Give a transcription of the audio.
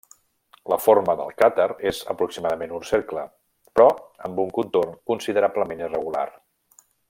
La forma del cràter és aproximadament un cercle, però amb un contorn considerablement irregular.